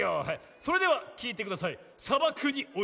それではきいてください